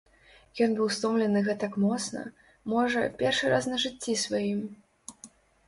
Ён быў стомлены гэтак моцна, можа, першы раз на жыцці сваім.